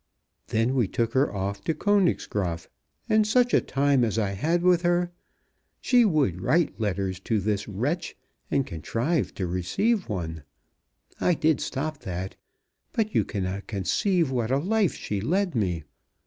Then we took her off to Königsgraaf; and such a time as I had with her! She would write letters to this wretch, and contrived to receive one. I did stop that, but you cannot conceive what a life she led me.